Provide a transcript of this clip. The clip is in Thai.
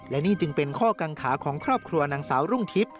และนี่จึงเป็นข้อกังขาของครอบครัวนางสาวรุ่งทิพย์